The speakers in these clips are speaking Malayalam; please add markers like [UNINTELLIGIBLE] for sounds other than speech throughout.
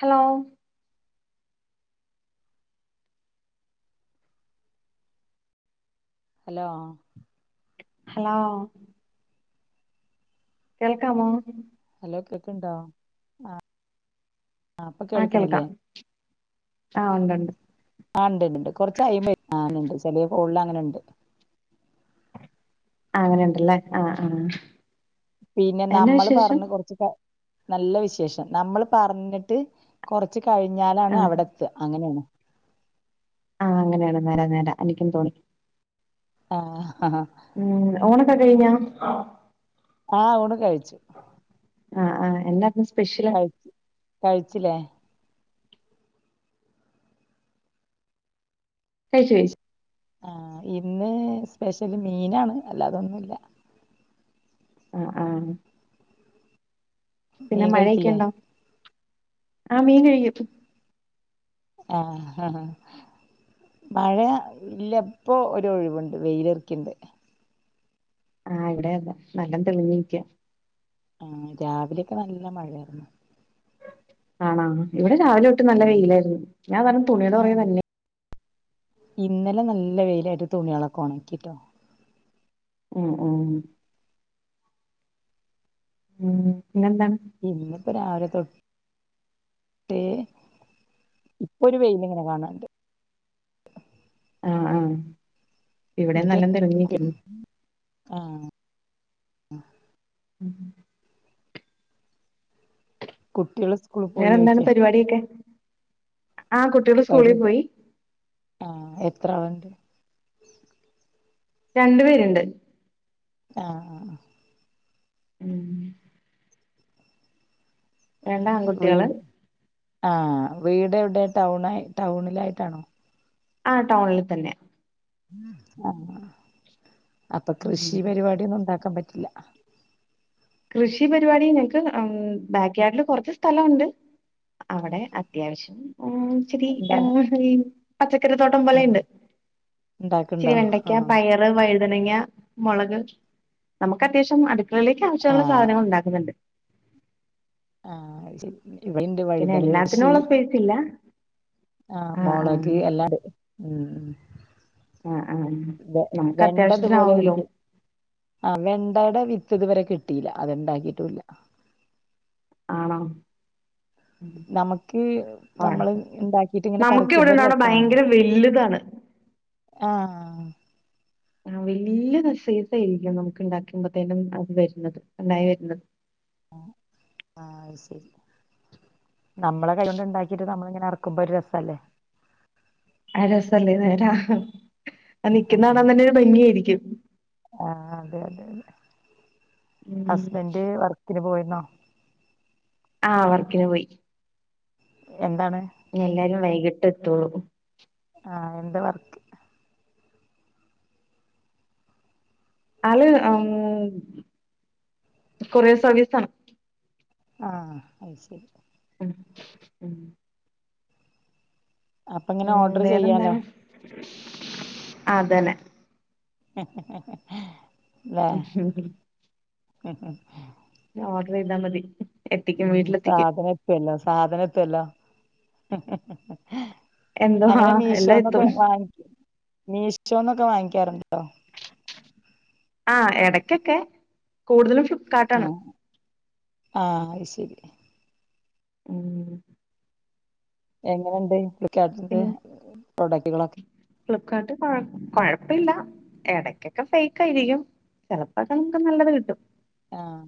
ഹലോ ഹലോ ഹലോ കേൾക്കാമോ ഹലോ കേൾക്ക്ണ്ടോ ആ ഇപ്പ കേൾക്ക്ണില്ലേ. ആഹ് ഉണ്ട് ഉണ്ട്. ആ ഇണ്ട്ണ്ട് കൊറച്ച് കയ്യുമ്പോ ആ ഇണ്ട് ചെലേ കോളില് അങ്ങനെണ്ട് ആ അങ്ങനെ ഉണ്ടല്ലേ ആഹ് ആഹ് പിന്നെ നമ്മള് പറഞ്ഞു കൊറച്ച് ക നല്ല വിശേഷം. നമ്മൾ പറഞ്ഞിട്ട് കൊറച്ച് ആ കഴിഞ്ഞാലാണ് അവിടെ എത്ത്അ അങ്ങനെയാണ്. ആഹ് അങ്ങനെയാണ് നേരാ നേരാ എനിക്കും തോന്നി. ആഹ് ആ ഉം ഊണൊക്കെ കഴിഞ്ഞാ. ആഹ് ഊണ് കഴിച്ചു. ആഹ് ആഹ് എന്നാ കഴച്ച് കഴിച്ചില്ലേ കഴിച്ച് കഴിച്ച് ആഹ് ഇന്ന് സ്പെഷ്യല് മീനാണ് അല്ലാതൊന്നുല്ല. ആഹ് ആഹ് പിന്നെ മീൻ മഴയൊക്കെ കഴിക്കില്ലേ ഉണ്ടോ. ആഹ് മീൻ കഴിക്കും. ആ ആഹ മഴ ഇല്ലപ്പോ ഒരു ഒഴിവുണ്ട് വെയലറക്കിണ്ട്. ആ ഇവിടെതാ നല്ലം തെളിഞ്ഞിക്കാ. ആ രാവിലെക്കെ നല്ല മഴായിരുന്നു. ആണാ ഇവിടെ രാവിലൊട്ട് നല്ല ഉം വെയിലായിരുന്നു. ഞാതാലും തുണിടെ ആ പൊറേ തന്നെ ഇന്നലെ നല്ല വെയിലായിട്ട് തുണികളെക്കൊണക്കിട്ടോ. മ് മ്. മ് പിന്നന്താണ്? [UNINTELLIGIBLE] ഇപ്പൊരു വെയ്ൽങ്ങനെ കാണാണ്ട്. ആഹ ആഹ ഇവിടെ എന്നിട്ട് നല്ല തിറങ്ങിരിക്കണ്ട്. ആ കുട്ടികൾ സ്കൂളിൽ പോയി വേറെന്താണ് ചോദിക്കാ പരിപാടിയൊക്കെ? ആ കുട്ടികൾ സ്കൂളിൽ പരിത പോയി ആ എത്രാള്ണ്ട്? രണ്ടു പേരുണ്ട്. ആ ആ മ്. രണ്ടാൺകുട്ടികള് വീട് ആ വീടവിടെ ടൗണായി ടൗണിലായിട്ടാണോ? ആ ടൗണില് തന്നെ. ആ അപ്പൊ കൃഷി ഉം പരിപാടിയൊന്നും ഉണ്ടാക്ക ക്കാൻ പറ്റില്ല. കൃഷി പരിപാടി നക്ക് ബാക്കിയാർഡില് കൊറച്ച് സ്ഥലംണ്ട്. അവിടെ അത്യാവശ്യം. [UNINTELLIGIBLE] ആ എന്താ ശരി പച്ചക്കറിത്തോട്ടം പോലെണ്ട്. ഉണ്ടാക്കണ്ടോ ചിരിവെണ്ടയ്ക്ക പയറ് വഴു തനങ്ങ മുളക് നമുക്കത്യാവശ്യം അടുക്കളയിലേക്ക് ആ ആവശ്യള്ള സാധനങ്ങളുണ്ടാക്കുന്നുണ്ട്. ആ അത്‌ ശെരി പിന്നെ വഴുതന എല്ലാത്തിനും കൃഷി ഉള്ള സ്പേസ് ഇല്ല ആഹ് ആ ആ മുളക് എല്ലാണ്ട്. ആ ആ വെ നമുക്ക് വെണ്ടതുപോലെ അത്യാവശ്യത്തിനാവൂലോ എനിക്ക് ആ വെണ്ടയുടെ വിത്തതുവരെ കിട്ടിയില്ല അത്ണ്ടാക്കിട്ടില്ല. ആണ? നമുക്ക് നമ്മള് ഉണ്ടാക്കിട്ട് ഇങ്ങനെ നമുക്ക് പറിക്കുമ്പോ ഇവിടെ ഒരു ഉണ്ടവിടെ രസാണല്ലോ. ഭയങ്കര വലുതാണ് ആ. ആ വലിയ നസീതയിരിക്കും നമുക്ക്ണ്ടാക്കുമ്പോത്തേനും അത് വരുന്നത് ഉണ്ടായി വരുന്നത്. ആ ആ അത് ശരി. നമ്മളെ കൈയൊണ്ട് ഉണ്ടാക്കിട്ട് നമ്മള ഇങ്ങനെ ഇറക്കുമ്പോ ഒരു രസല്ലേ. അരസല്ലന്നേരാ. ആ ആഹ് നിക്കുന്നടാൻ തന്നെ ഒരു ഭംഗിയയിരിക്കും. അതെ അതെ ഹസ്ബൻഡ് വർക്കിന് പോയിന്നോ? ആ അവർക്കിൻ പോയി. എന്താണ് എല്ലാരും വൈകിട്ടത്തള്ളൂ. ആ എന്ത വർക്ക്? ആൾ കൊറേർ സർവീസാണ്. ആ അത് ശരി. മ്. അപ്പങ്ങനെ ഉം ഓർഡർ ചെയ്യാലോ. വേറെന്താണ് അതന്നെ. ഹേ ഹേ. ഹഹ ഹ ഉം ഉം അവട്ര ഇതാ മതി ഉ എത്തിക്കും വീട്ടിലെത്തിക്കും സാധനത്തല്ലോ സാധനത്തെല്ലോ എന്തോ ആ അങ്ങനെ എല്ലാം എത്തും മീഷോന്നൊക്കെ വാങ്ങിക്കും മീഷിനൊക്കെ വാങ്ങിക്കാറുണ്ടോ ആഹ ഇടയ്ക്കൊക്കെ കൂടുതലും ആഹ ഫ്ലിപ്കാർട്ടാണ് ആഹ അത് ശരി ഉം എങ്ങനെയണ്ട് വിളിക്കട്ടത് പ്രൊഡക്ടുകളൊക്കെ ഫ്ലിപ്പ്കാർട്ട് കൊഴപ്പില്ല ഇടക്കൊക്കെ ഫേക്ക് ആയിരിക്കും ചെിലപ്പോൊക്കെ നമുക്ക് നല്ലത് കിട്ടും ആഹ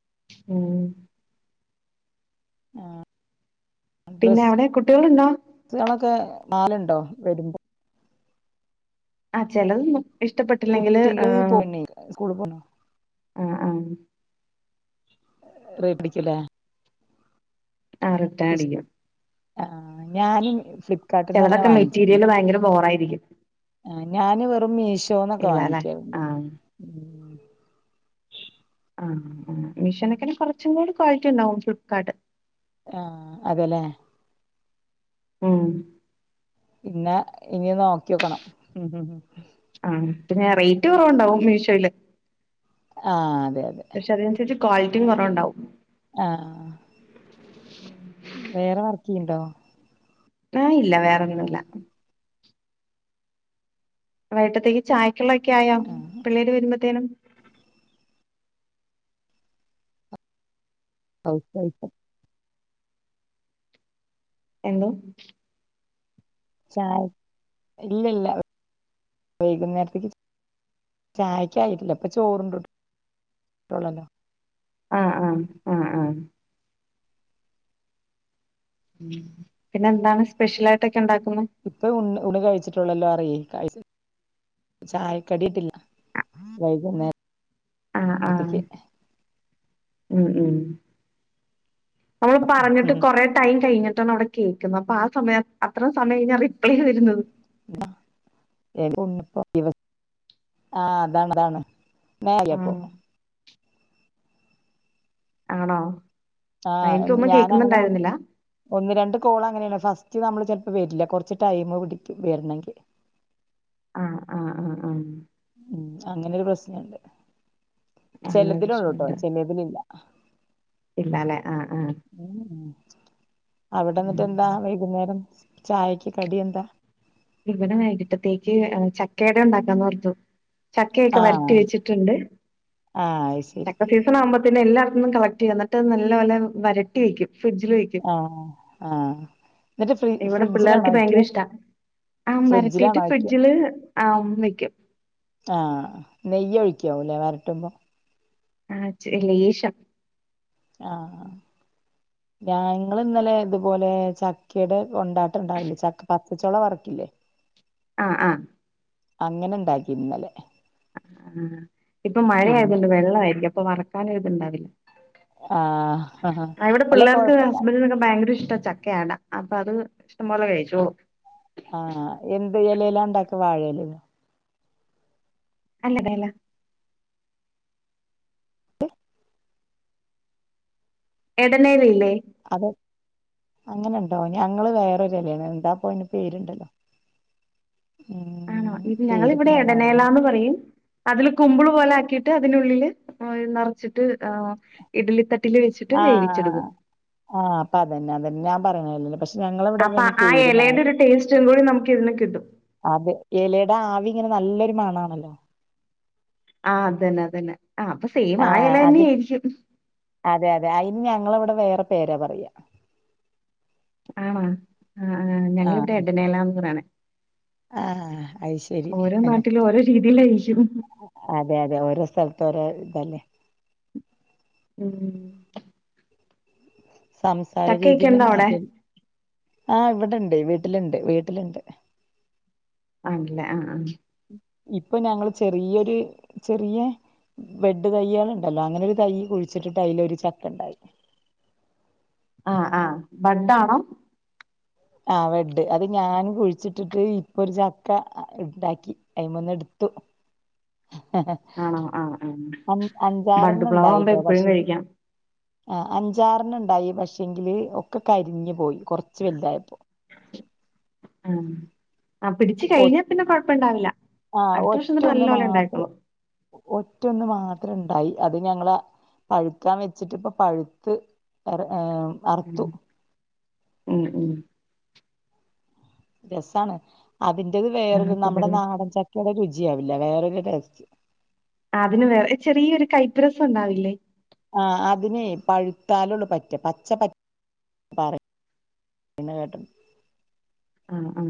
ആഹ ആ ഡ്ര പിന്നെ അവിടെ കുട്ടികളുണ്ടോ ഡസുകളൊക്കെ നാലുണ്ടോ വരുമ്പോ ആ് ചെിലത ഇഷ്ടപ്പെട്ടില്ലെങ്കില് കുട്ടികൾ ആഹ പോണേ സ്കൂള് പോണോ ആഹ റ പിടിക്കലേ ആ റിട്ടൻ അടിക്കും ആ ഞാനും ഫ്ലിപ്കാർട്ട്ന്നും അങ്ങനെ ചെലതൊക്കെ വാങ്ങിച്ചിട്ടില്ല മെറ്റീരിയല് ഭയങ്കര ബോറായിരിക്കും ആ ഞാന് വെറും മീഷോന്നൊക്കെ ഇല്ലാല്ലെ വാങ്ങിക്കാറുണ്ട് ആ മിഷോനൊക്കന്നെ കൊറച്ചും കൂടി ക്വാളിറ്റി ഉണ്ടാവും ഫ്ലിപ്കാർട്ട് ആഹ അതെല്ലേ ഉം പിന്നെ ഇനി നോക്കിോക്കണം ഉ ആ പിന്നെ റേറ്റ് കുറവുണ്ടാവും മീഷോയില് ആ പക്ഷെ അതിനനുസരിച്ച് ക്വാളിറ്റിയും കുറവുണ്ടാവും ആ വേറെ വർക്ക് ചെയ്യ്ണ്ടോ ആ ഇല്ല വേറെന്നിനുല്ല വൈട്ടത്തേക്ക് ചായ്ക്കള്ളൊക്കെ ആയാ ആഹ് പിള്ളേര് വരുമ്പോത്തേനും സട്ട എന്തോ ചായ ഇല്ല ഇല്ല വൈകുന്നേരത്തേക്ക് ചായക്ക ആയിട്ടില്ല ഇപ്പൊ ചോറണ്ട്ട്ടള്ളല്ലോ അ ആ അ ആ പിന്നെ എന്താണ് സ്പെഷ്യല ആയിട്ട ഇപ്പ ഉണ് ഉണ് കഴിച്ചിട്ടുള്ളല്ലോ അറിയേ ചായ കടിട്ടില്ല വൈകുന്നേരം ആ ആ ഉ ഉം നമ്മള് പറഞ്ഞിട്ട് ഉം കൊറെ ടൈം കഴിഞ്ഞിട്ടാണ് അവിടെ കേക്കുന്നത് അപ്പൊ ആ സമയം അത്ര സമയം കഴിഞ്ഞാ ഇപ്പോഴേ വരുന്നത് [UNINTELLIGIBLE] ആ അതാണ് അതാണ് നേരെപ്പോ ആഹ് ആണോ ആ എനിക്കൊന്നും ഞാന അങ്ങനെ കേൾക്കുന്നുണ്ടായിരുന്നില്ല ഒന്ന് രണ്ട് കോള അങ്ങനെയാണ് ഫസ്റ്റ് നമ്മള് ചിലപ്പോ വരില്ല കൊറച്ച ടൈം പിടിക്കും വരണെങ്കിൽ ആ ആ ആ ആ ഉം അങ്ങനെരു പ്രശ്നുണ്ട് അങ്ങനെ ചിലതിലുള്ളുട്ടോ ചെലതിലില്ല ആ ഇല്ലല്ലേ ആഹ ആ അവിടെന്നിട്ട് എന്താ വൈകുന്നേരം ചായക്ക് കടി എന്താ ഇവിട വൈകിട്ടത്തേക്ക് ചക്കേട ഉണ്ടാക്കാന്ന്ർത്തു ചക്കയൊക്കെ ആഹ് വരട്ടി വെച്ചിട്ടുണ്ട് ആഹ് അയ്ശരി ചക്ക സീസൺ ആകുമ്പോ പിന്നെ എല്ലായിടത്തുംന്നും കളക്ട് ചെയ്യും എന്നിട്ട് നല്ല പോലെവരട്ടി വെക്കും ഫ്രിഡ്ജില് വക്കും ആഹ് ആഹ് എന്നിട്ട് ഫ്രി ഇവിടെ പിള്ളേർക്ക് ഫ്രിഡ്ജിലാണോ ഭയങ്കര വെക്ക ഇഷ്ടാ ആ വരട്ടീയിട്ട് ഫ്രിഡ്ജിലാണോ വെക്ക ഫ്രിഡ്ജില് ആ വെക്കും നെയ്യ ഒഴിക്കാവലേ വരട്ടുമ്പോ ആ ഇചരി ലേശം ആ ഞങ്ങള് ഇന്നലെ ഇതുപോലെ ചക്കയുടെ കൊണ്ടാട്ടം ഉണ്ടാവില്ല ചക്ക പച്ചച്ചോള വറക്കില്ല അല്ലെ ആ ആ അങ്ങനെണ്ടാക്കി ഇന്നലെ ആ ഇപ്പൊ മഴ ഇന്ന് ആയതണ്ട് വെള്ള ആയിരിക്കും അപ്പൊ വറക്കാനും ഇതുണ്ടാവില്ല ആഹ് ഇവിടെ അല്ല പിള്ളേർക്ക് കൊഴപ്പല്ല ഹസ്ബൻഡിനൊക്കെ ഭയങ്കര ഇഷ്ട ഇഷ്ട ചക്കട അപ്പൊ അത് ഇഷ്ടംപലെ കഴിച്ചളും ലെല്ലാ ഉണ്ടാക്ക വാഴയില ല അല്ലത അല്ല [INAUDIBLE] എടനേല ഇല്ലേ അതെ അങ്ങനെ ഇണ്ടോ ഞങ്ങള് വേറൊരലാണ് എന്താപ്പ അന് പേരുണ്ടല്ലോ ആണോ ഉം ഇത് ഞങ്ങ പേരിപ്പ ഇവിടെ ഞാൻ മറന്നു എടനേലന്ന് പറയും അതില് കുമ്പിള് പോലെ ആക്കിയിട്ട് അതിനുള്ളിൽ നിറച്ചിട്ട് ഇഡലി തട്ട ആ ആ അപ്പൊ അതന്നെ അതന്നെ ഞാൻ പറയണ പക്ഷെ ഞങ്ങളവിടെ അപ്പൊ ആ പേര് ഇലയുടെ മാറി ഒരു ടേസ്റ്റും കൂടി നമുക്ക് ഇതിന് കിട്ടും അത് ഇലയുടെ ആവി അങ്ങനെ നല്ലൊരു മണാണല്ലോ ആ അതന്നെ അതന്നെ ആ അപ്പൊ സെയിം ആ ഇല ആഹ് അത് തന്നെയായിരിക്കും അതെ അതെ അതിന് ഞങ്ങളവിടെ വേറെ പേര പറയാ ആണ ആ ആ ഞങ്ങളിവിടെ എടനേലന്ന് പറയണേ ആ അത് ശരി ഓരോ നാട്ടിലും ഓരോ രീതിയിലായിരിക്കും. അതെ അതെ ഓരോ സ്ഥല ഓരോ ഇതല്ലേ ഉം സംസാര രീതി ചക്കയൊക്കെ തന്നെ ഉണ്ടോ അവിടെ? മാറ്റം ആ ഇവിടുണ്ട് വീട്ടിലിണ്ട് വീട്ടിലുണ്ട് ആണല്ലേ ആ ആ ഇപ്പൊ ഞങ്ങള് ചെറിയൊരു ചെറിയ ബെഡ് തയ്യളുണ്ടല്ലോ അങ്ങനെ ഒരു തൈ കുഴിച്ചിട്ടിട്ട് അതിലൊരു ചക്ക ഉണ്ടായി ആഹ് ആ ബഡ് ആണോ ആ ബെഡ് അത് ഞാൻ കുഴിച്ചിട്ടിട്ട് ഇപ്പൊ ഒരു ചക്ക ഉണ്ടാക്കി അയിമ എടുത്ത് ത്തു ആണോ ആഹ് ആഹ് അ ബഡ് അഞ്ചാറെണ്ണം പ്ലവാവുമ്പോ ഉണ്ടായിട്ടോ എപ്പഴും പക്ഷേ കഴിക്കാം. ആ അഞ്ചാറിന ഉണ്ടായി പക്ഷെങ്കില് ഒക്കെ കരിഞ്ഞ് പോയി കൊറച്ച് വലുതായപ്പോൾ ആ പിടിച്ച് കഴിഞ്ഞാ പിന്നെ കൊഴപ്പം ഇണ്ടാവില്ല അടുത്ത വർഷം നല്ല പോലെ ഉണ്ടായിക്കോളും ഒറ്റ ഒന്ന് മാത്രം ഉണ്ടായി അത് ഞങ്ങള് പഴുക്കാൻ വെച്ചിട്ട് ഇപ്പൊ പഴുത്ത് ഏർ ഉം അറത്തു ഉം ഉം രസമാണ് അതിന്റെത് ആഹ് വേറൊരു നമ്മുടെ പിന്നല്ലേ നാടൻ ചക്കയുടെ രുചി ചിയാവൂല വേറൊരു ടേസ്റ്റ്‌ അതിന് വേറെ ചെറിയൊരു കൈപ്പ് രസണ്ടാവുലെ ആ അതിനേ പഴുത്താലുള്ളു പറ്റ പച്ച പറ്റ പറ പിന്ന കേട്ടൊ ആ അ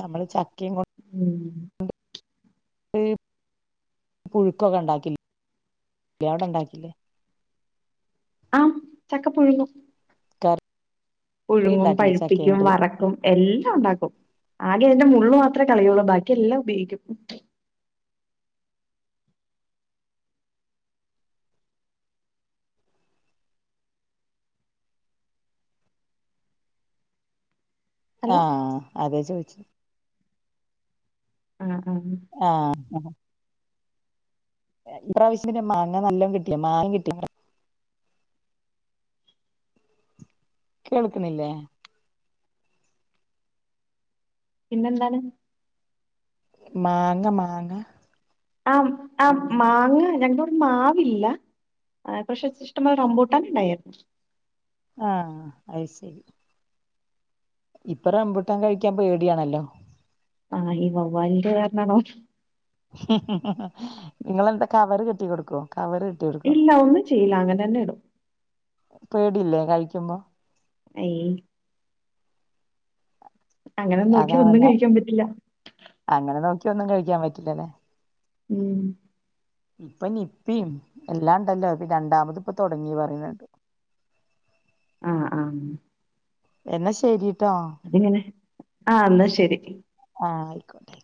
നമ്മള് ചക്കേം കൊ ഉം ഇ പുഴുക്കൊക്കണ്ടാക്കില്ലെ അവിടെണ്ടാക്കീല അ ചക്ക പുഴുങ്ങും കറി പുഴുങ്ങും ഉണ്ടാക്കില്ലേ ചക്കയും പഴുപ്പിക്കും കൊണ്ട് വറക്കും എല്ലാം ഉണ്ടാക്കും ആകെഅതിന്റെ മുള്ള് മാത്രേകളയൊള്ളു ബാക്കിയെല്ലാം ഉപയോഗിക്കും. ആ. ഹലോ അതെചോയ്ച്ചേ അ അ ആ അ ഇപ്രാവശ്യം പിന്നെ മാങ്ങ വല്ലോം കിട്ടിയ മാങ്ങ കിട്ടി കേൾക്കണില്ലെ പിന്നെന്താണ്? മാങ്ങ മാങ്ങ. അ അ മാങ്ങ ഞങ്ങളെ ഇവിടെ മാവില്ല. അ പക്ഷെ ഇഷ്ടം പോലെ റംബുട്ടാൻ ഇണ്ടായിരുന്നു. ആ അതുശരി ഇപ്പൊ റംബുട്ടാൻ കഴിക്കാൻ പേടിയാണല്ലോ. ആഹ് ഈ വവ്വാലിന്റെ കാരണമാണോ ഇങ്ങളെന്താ കവറ് കെട്ടി കൊടുക്കൊ ഇല്ലാ ഒന്നും ചെയ്യില്ലാ അങ്ങനെ തന്നിടും. പേടില്ലേ കഴിക്കുമ്പോ അയ് അങ്ങനെ നോക്കിയാ അതവ്ട ഒന്നും കഴിക്കാൻ പറ്റില്ല അങ്ങനെനോക്യൊന്നും കഴിക്കാൻപറ്റില്ലാലെ. ഉം ഇപ്പനിപ്പേം എല്ലാണ്ടല്ലോ അത രണ്ടാമത്പ്പൊതൊടങ്ങീന്ന്പറയിണ് ണ്ട്. [INAUDIBLE] ആ അ എന്നശരി. അത്‌ങ്ങനെ അന്ന ശരി. ആയ്ക്കോട്ടെ..